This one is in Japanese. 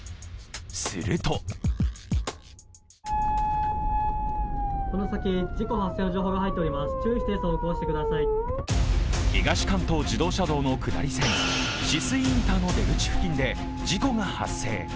すると東関東自動車道の下り線、酒々井インターの出口付近で事故が発生。